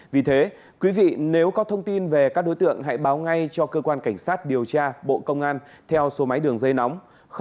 vì thế quý vị nếu có thông tin về các đối tượng hãy báo ngay cho cơ quan cảnh sát điều tra bộ công an theo số máy đường dây nóng